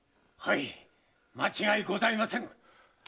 はい間違いございませぬ！